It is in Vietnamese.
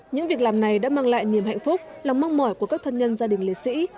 những việc làm này đã mang lại niềm hạnh phúc lòng mong mỏi của các thân nhân gia đình liệt sĩ